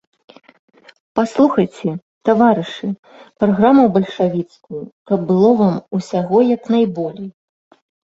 Паслухайце, таварышы, праграму бальшавіцкую, каб было вам усяго як найболей…